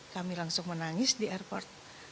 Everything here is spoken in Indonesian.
kami langsung menangis di airport